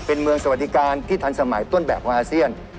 เป็นเมืองสวัสดิการที่ทันสมัยต้นแบบของอาเซียน